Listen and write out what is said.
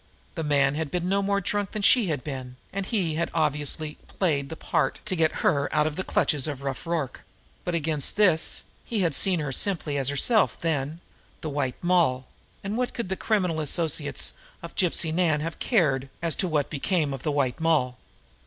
The man had been no more drunk than she had been, and he had obviously only played the part to get her out of the clutches of Rough Rorke; but, against this, he had seen her simply as herself then, the White Moll, and what could the criminal associates of Gypsy Nan have cared as to what became of the White Moll?